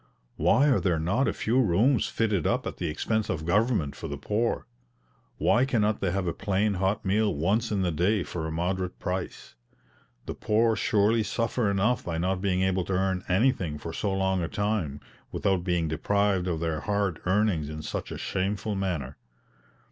Why are there not a few rooms fitted up at the expense of government for the poor? Why cannot they have a plain hot meal once in the day for a moderate price? The poor surely suffer enough by not being able to earn anything for so long a time, without being deprived of their hard earnings in such a shameful manner!